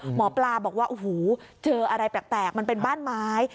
หมอปลาบอกว่าโอ้โหเจออะไรแปลกมันเป็นบ้านไม้